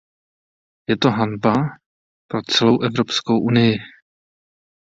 Je to hanba pro celou Evropskou unii!